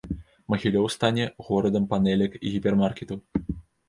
Магілёў стане горадам панэлек і гіпермаркетаў.